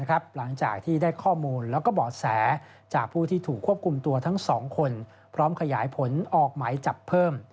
หลังจากที่ได้ข้อมูลแล้วก็บ่อแสจากผู้ที่ถูกควบคุมตัวทั้ง๒คนพร้อมขยายผลออกหมายจับเพิ่ม